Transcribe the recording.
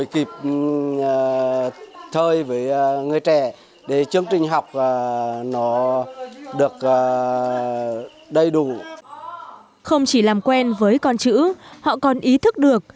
không chỉ làm quen với con chữ họ còn ý thức được